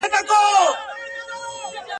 چي نااهله واكداران چيري پيدا سي !.